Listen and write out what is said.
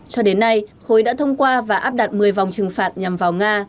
cho đến nay khối đã thông qua và áp đặt một mươi vòng trừng phạt nhằm vào nga